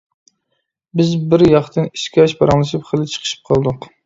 بىز بىر ياقتىن ئىچكەچ پاراڭلىشىپ خېلى چىقىشىپ قالدۇق.